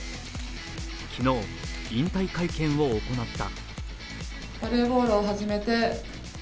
昨日、引退会見を行った。